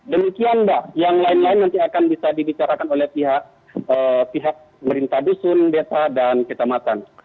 demikian mbak yang lain lain nanti akan bisa dibicarakan oleh pihak pemerintah dusun desa dan kecamatan